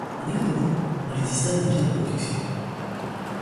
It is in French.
En économie, on les distingue des biens de production.